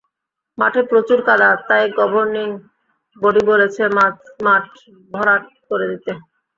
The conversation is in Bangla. মাঠে প্রচুর কাদা, তাই গভর্নিং বডি বলেছে মাঠ ভরাট করে দিতে।